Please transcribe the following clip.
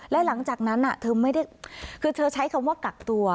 แล้วหลังจากนั้นคือเธอใช้คำว่ากักตัว